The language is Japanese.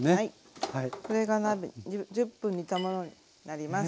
これが１０分煮たものになります。